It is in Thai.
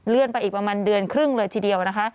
เลื่อนไปอีกประมาณเดือนครึ่งเลยทีเดียว